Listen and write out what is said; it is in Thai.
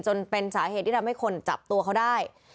จนเป็นสาเหตุที่ทำให้คนจับตัวเขาได้